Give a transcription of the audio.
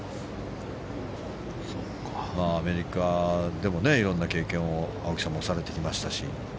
アメリカでもいろんな経験を青木さんもされてきましたし。